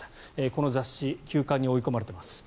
この雑誌休刊に追い込まれています。